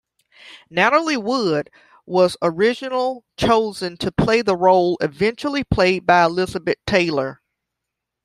Natalie Wood was original chosen to play the role eventually played by Elizabeth Taylor.